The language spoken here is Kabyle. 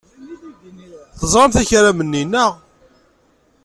Teẓramt akaram-nni, naɣ?